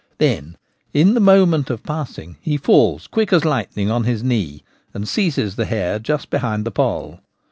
Then, in the moment of passing, he falls quick as lightning on his knee, and seizes the hare just behind the poll.